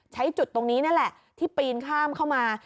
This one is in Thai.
ใช้จุดตรงนี้นั่นแหละที่ปีนข้ามเข้ามา